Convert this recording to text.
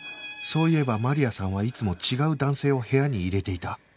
そういえばマリアさんはいつも違う男性を部屋に入れていた